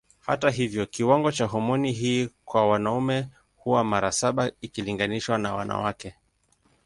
Hata hivyo kiwango cha homoni hii kwa wanaume huwa mara saba ikilinganishwa na wanawake.